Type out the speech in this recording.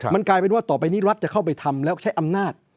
มันกลายเป็นว่าต่อไปนี้รัฐจะเข้าไปทำแล้วใช้อำนาจ